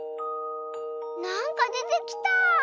なんかでてきた！